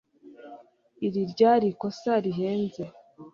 iri ryari ikosa rihenze